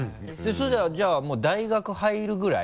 じゃあもう大学入るぐらい？